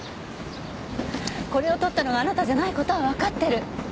これを撮ったのがあなたじゃない事はわかってる。